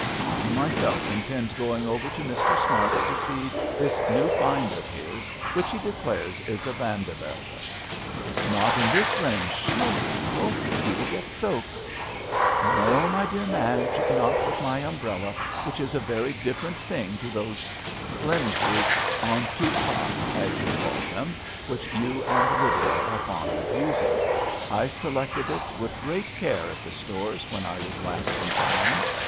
I myself intend going over to Mr. Smart's to see this new find of his which he declares is a Van de Velde." Not in this rain, surely, Uncle I you will get soaked." A RAINY DAY. 1 33 "No, my dear Madge, not with my umbrella, which is a very diflferent thing to those flimsy en tout'Cas, as you call them, which you and Lydia are fond of using. I selected it with great care at the Stores when I was last in town.